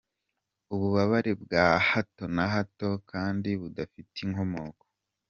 Ububabare bwa hato na hato kandi budafite inkomoko